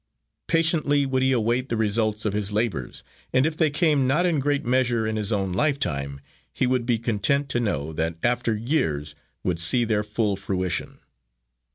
Patiently would he await the results of his labours, and if they came not in great measure in his own lifetime, he would be content to know that after years would see their full fruition.